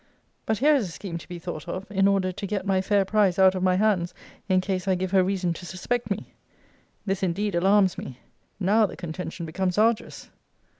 But here is a scheme to be thought of, in order to 'get my fair prize out of my hands, in case I give her reason to suspect me.' This indeed alarms me. Now the contention becomes arduous.